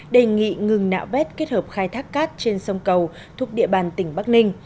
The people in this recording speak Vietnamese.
đề nghị ngừng nạo vét kết hợp khai thác cát trên sông cầu thuộc địa bàn tỉnh bắc ninh